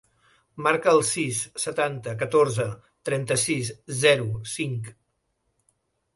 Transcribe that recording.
Marca el sis, setanta, catorze, trenta-sis, zero, cinc.